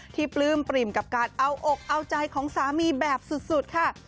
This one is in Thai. ปลื้มปริ่มกับการเอาอกเอาใจของสามีแบบสุดค่ะ